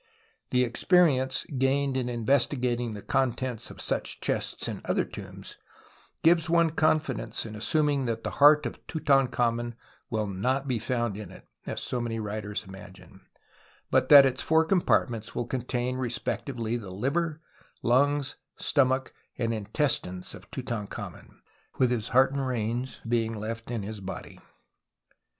The experience gained in investigating the contents of such chests in other tombs gives one confidence in assuming that the heart of Tutankhamen will not be found in it, as so many writers imagine, 102 TUTANKHAMEN but that its four compartments will contain respectively the liver, lungs, stomach and intestines of Tutankhamen, his " heart and reins " being left in his body.